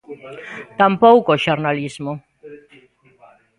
Tampouco o xornalismo.